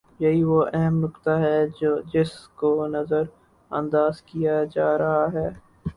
یہی وہ اہم نکتہ ہے جس کو نظر انداز کیا جا رہا ہے۔